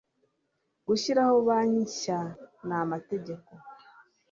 gushyiraho banki nshya n amategeko